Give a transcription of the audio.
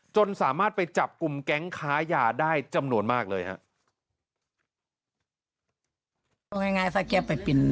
จนสามารถไปจับกลุ่มแก๊งค้ายาได้จำนวนมากเลยครับ